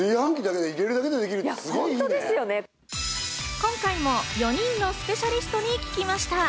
今回も４人のスペシャリストに聞きました。